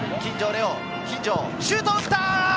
央、シュートを打った！